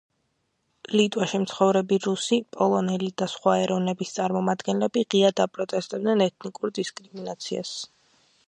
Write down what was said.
ლიტვაში მცხოვრები რუსი, პოლონელი და სხვა ეროვნების წარმომადგენლები ღიად აპროტესტებდნენ ეთნიკურ დისკრიმინაციას.